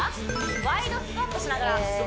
ワイドスクワットしながらえ